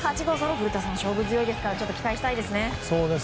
古田さん、勝負強いですから期待したいですね。